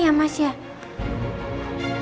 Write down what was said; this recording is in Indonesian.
ya yang masih tidak tahan i will i will keep going